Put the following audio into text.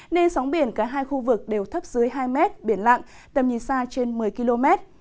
nên sóng biển cả hai khu vực đều thấp dưới hai mét biển lặng tầm nhìn xa trên một mươi km